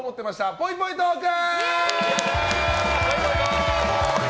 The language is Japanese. ぽいぽいトーク！